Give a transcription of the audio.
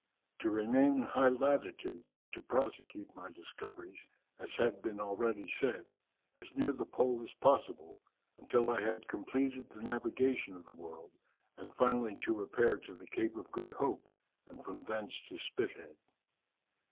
To remain in high latitudes and to prosecute my discoveries, as had been already said, as near the pole as possible, until I had completed the navigation of the world, and finally to repair to the Cape of Good Hope, and from thence to Spithead."